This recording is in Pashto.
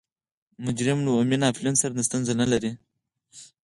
مجرم له عمومي ناپلیون سره ستونزه نلري.